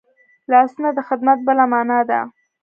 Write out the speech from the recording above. لاسونه د خدمت بله مانا ده